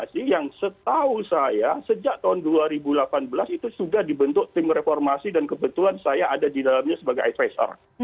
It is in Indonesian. yang setahu saya sejak tahun dua ribu delapan belas itu sudah dibentuk tim reformasi dan kebetulan saya ada di dalamnya sebagai advestor